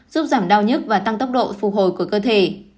giúp giảm đau nhất và tăng tốc độ phục hồi của cơ thể